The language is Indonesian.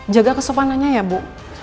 jaga kesopanannya ya bu